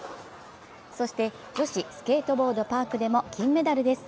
そして女子スケートボード・パークでも金メダルです。